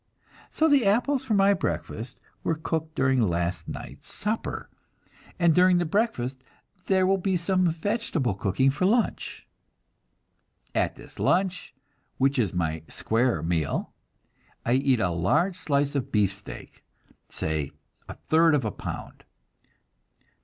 So the apples for my breakfast were cooked during last night's supper; and during the breakfast there will be some vegetable cooking for lunch. At this lunch, which is my "square meal," I eat a large slice of beefsteak, say a third of a pound.